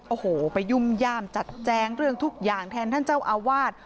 โอ้โหไปยุ่มย่ามจัดแจงเรื่องทุกอย่างแทนท่านเจ้าอาวาส